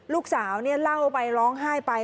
ลูกสาวเล่าไปร้องไห้ไป